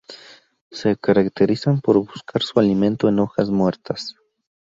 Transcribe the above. Se caracterizan por buscar su alimento en hojas muertas.